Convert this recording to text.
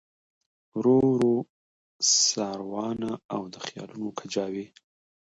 ورو ورو ساروانه او د خیالونو کجاوې